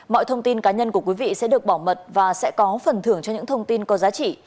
mọi thông tin cá nhân của quý vị sẽ được bảo mật và sẽ có phần thưởng cho những thông tin có giá trị